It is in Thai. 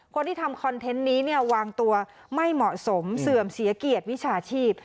คนที่ทำคอนเทนต์นี้เนี่ยวางตัวไม่เหมาะสมเสื่อมเสียเกียรติวิชาชีพ